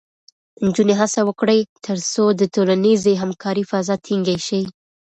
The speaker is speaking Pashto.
نجونې هڅه وکړي، ترڅو د ټولنیزې همکارۍ فضا ټینګې شي.